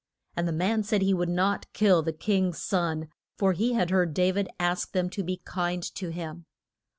And the man said he would not kill the king's son, for he had heard Da vid ask them to be kind to him.